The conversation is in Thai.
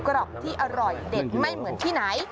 รอบที่อร่อยเด็ดไม่เหมือนที่ไหน